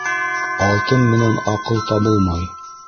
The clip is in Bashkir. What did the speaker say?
Алтын менән аҡыл табылмай.